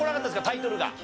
タイトルが。